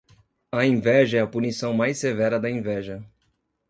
A inveja é a punição mais severa da inveja.